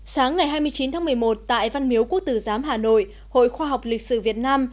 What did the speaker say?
sáng ngày hai mươi chín tháng một mươi một tại văn miếu quốc tử giám hà nội hội khoa học lịch sử việt nam